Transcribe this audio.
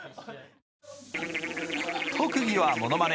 特技は、ものまね。